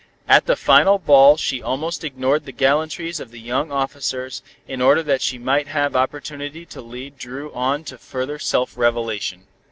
At the final ball she almost ignored the gallantries of the young officers, in order that she might have opportunity to lead Dru on to further self revelation.